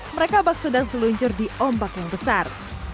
mereka bakso dan seluncur di ombak yang besar